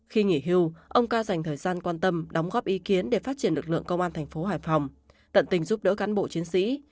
khi nghỉ hưu ông ca dành thời gian quan tâm đóng góp ý kiến để phát triển lực lượng công an thành phố hải phòng tận tình giúp đỡ cán bộ chiến sĩ